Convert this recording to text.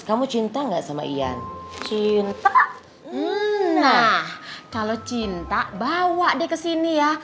kamu cinta enggak sama iyan cinta nah kalau cinta bawa deh kesini ya